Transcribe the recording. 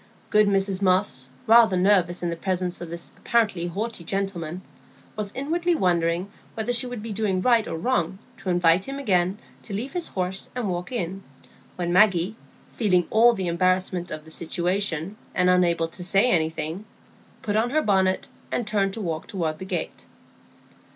Good Mrs Moss, rather nervous in the presence of this apparently haughty gentleman, was inwardly wondering whether she would be doing right or wrong to invite him again to leave his horse and walk in, when Maggie, feeling all the embarrassment of the situation, and unable to say anything, put on her bonnet, and turned to walk toward the gate.